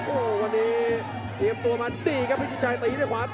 โอววันนี้ต้องเตรียมตัวมาดีครับก็มีชายติด้วยขวา